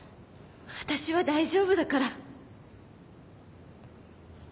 私は大丈夫だから。